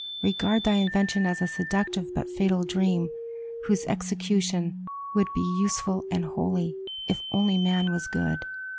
Regard thy invention as a seductive but fatal dream, whose execution would be useful and holy, if only man was good.